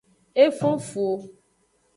E fon fu.